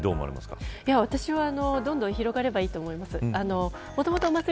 私はどんどん広がればいいと思います。